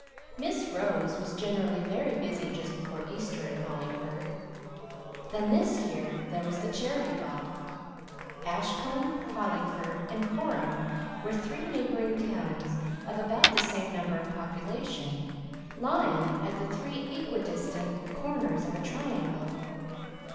Miss Rose was generally very busy just before Easter in Hollingford. Then this year there was the charity ball. Ashcombe, Hollingford, and Coreham were three neighbouring towns, of about the same number of population, lying at the three equidistant corners of a triangle.